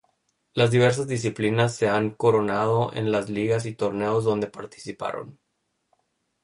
Las diversas disciplinas se han coronado en las ligas y torneos donde participaron.